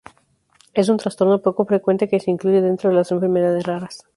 Es un trastorno poco frecuente que se incluye dentro de las enfermedades raras.